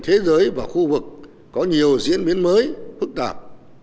thế giới và khu vực có nhiều diễn biến mới phức tạp